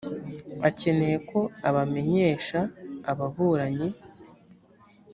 akeneye ko abamenyesha ababuranyi